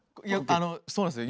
あのそうなんですよ。